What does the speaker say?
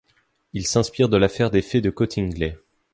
Il s'inspire de l'affaire des fées de Cottingley.